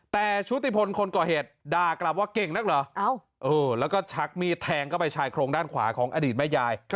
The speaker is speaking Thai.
แต่ชุติพลคนก่อเหตุด่ากลับว่าเก่งนักเหรอแล้วก็ชักมีดแทงเข้าไปชายโครงด้านขวาของอดีตแม่ยาย